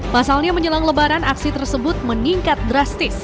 pasalnya menjelang lebaran aksi tersebut meningkat drastis